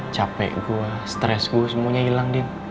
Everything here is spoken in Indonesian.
capek gue stres gue semuanya hilang din